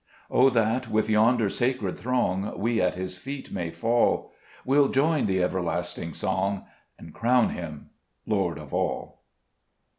7 O that with yonder sacred throng We at His feet may fall ; We'll join the everlasting song, And crown Him Lord of all.